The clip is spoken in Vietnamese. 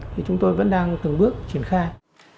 thì chúng tôi vẫn đang từng bước triển khai